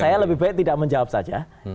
saya lebih baik tidak menjawab saja